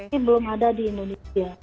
ini belum ada di indonesia